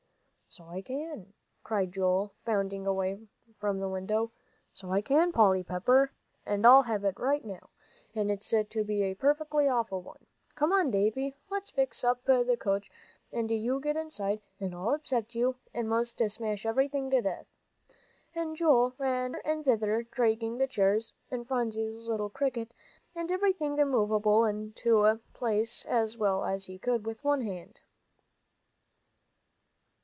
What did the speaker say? "So I can," cried Joel, bounding away from the window, "so I can, Polly Pepper. I'll have it right now, and it's to be a perfectly awful one. Come on, Dave, let's fix up the coach, and you get inside, and I'll upset you, and most smash everything to death." And Joel ran hither and thither, dragging the chairs, and Phronsie's little cricket, and everything movable into place as well as he could with one hand.